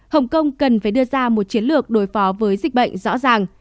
hồng kông cần phải đưa ra một chiến lược đối phó với dịch bệnh rõ ràng